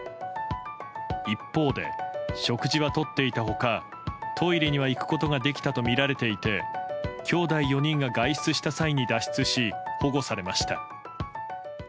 一方で食事はとっていた他トイレには行くことができたとみられていてきょうだい４人が外出した際に脱出し、保護されました。